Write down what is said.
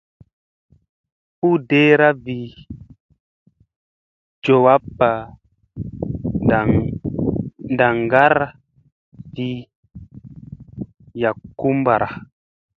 Huu deera vi jowappa ndaŋgar vi yakumbara.